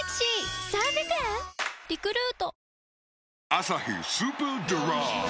「アサヒスーパードライ」